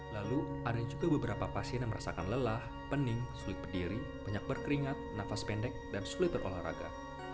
lalu ada juga beberapa pasien yang merasakan lelah pening sulit berdiri banyak berkeringat nafas pendek dan sulit berolahraga